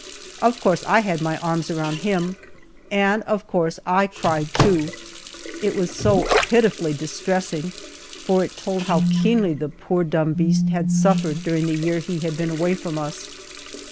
Of course I had my arms around him, and of course I cried, too. It was so pitifully distressing, for it told how keenly the poor dumb beast had suffered during the year he had been away from us.